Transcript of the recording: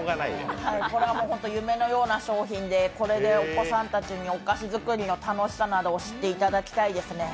これは本当に夢のような商品でこれでお子さんたちにお菓子づくりの楽しさなどを知っていただきたいですね。